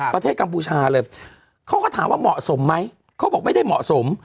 กัมพูชาเลยเขาก็ถามว่าเหมาะสมไหมเขาบอกไม่ได้เหมาะสม